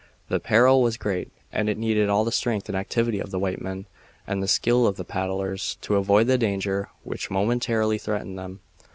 The peril was great, and it needed all the strength and activity of the white men and the skill of the paddlers to avoid the danger which momentarily threatened them.